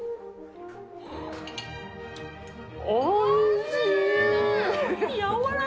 おいしーい！